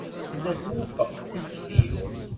Tella twufeq tikti-w.